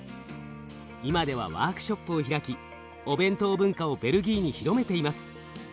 今ではワークショップを開きお弁当文化をベルギーに広めています。